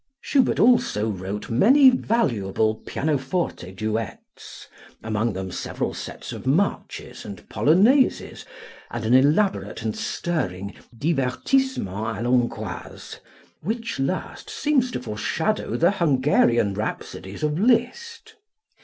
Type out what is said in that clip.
Schubert also wrote many valuable pianoforte duets, among them several sets of marches and polonaises and an elaborate and stirring "Divertissement à l'Hongroise," which last seems to foreshadow the "Hungarian Rhapsodies" of Liszt.